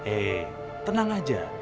eh tenang aja